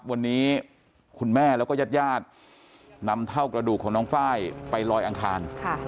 วันนี้คุณแม่แล้วก็ญาติญาตินำเท่ากระดูกของน้องไฟล์ไปลอยอังคาร